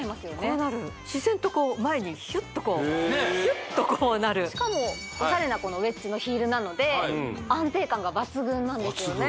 こうなる自然とこう前にヒュッとこうヒュッとこうなるしかもオシャレなこのウェッジのヒールなので安定感がバツグンなんですよね